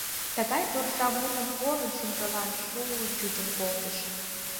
Тыгай торжа мутым колын, шӱмжылан шу-уй чучын колтыш.